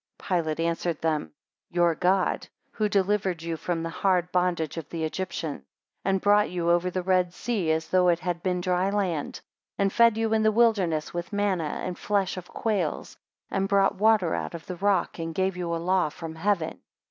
11 Pilate answered them, Your God who delivered you from the hard bondage of the Egyptians, and brought you over the Red Sea as though it had been dry land, and fed you in the wilderness with manna and the flesh of quails, and brought water out of the rock, and gave you a law from heaven.